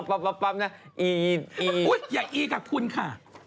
อย่ากลับคุณค่ะ